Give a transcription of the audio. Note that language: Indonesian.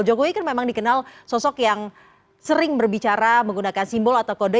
jokowi kan memang dikenal sosok yang sering berbicara menggunakan simbol atau kode